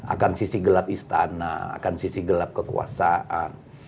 akan sisi gelap istana akan sisi gelap kekuasaan